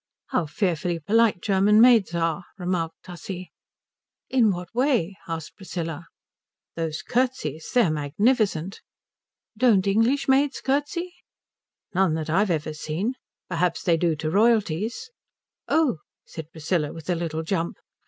"How fearfully polite German maids are," remarked Tussie. "In what way?" asked Priscilla. "Those curtseys. They're magnificent." "Don't English maids curtsey?" "None that I've ever seen. Perhaps they do to royalties." "Oh?" said Priscilla with a little jump.